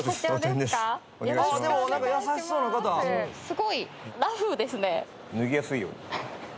すごいラフですね。